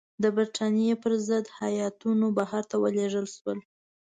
د برټانیې پر ضد هیاتونه بهر ته ولېږل شول.